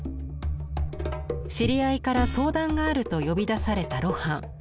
知り合いから相談があると呼び出された露伴。